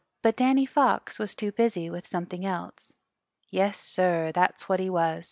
But Danny Fox was too busy with something else. Yes, sir, that's what he was.